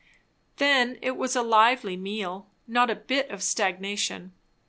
Then it was a lively meal; not a bit of stagnation.